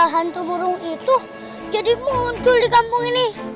hantu burung itu jadi muncul di kampung ini